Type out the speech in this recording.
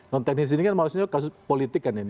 non teknis ini kan maksudnya kasus politik kan ini